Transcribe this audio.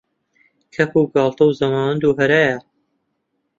گەپ و گاڵتە و زەماوەند و هەرایە